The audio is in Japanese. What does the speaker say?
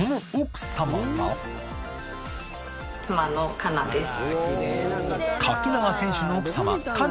妻の香奈です。